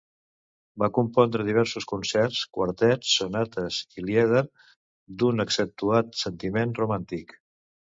Va compondre diversos concerts Quartets, Sonates i lieder d'un accentuat sentiment romàntic.